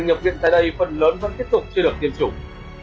nhập viện tại đây phần lớn vẫn tiếp tục chưa được tiêm chủng